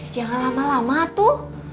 jangan lama lama tuh